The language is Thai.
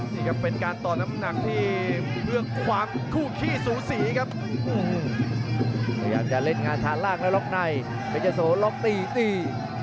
แต่อย่างจะเล่นงานทานล่างหรือล็อกได้พลเซ้าล็อกตี